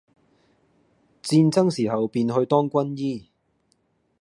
戰爭時候便去當軍醫，